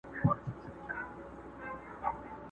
نه رابیا نه فتح خان سته نه برېتونه په شپېلۍ کي،